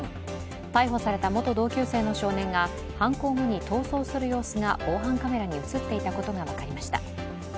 逮捕された元同級生の少年が犯行後に逃走する様子が防犯カメラに映っていたことが分かりました。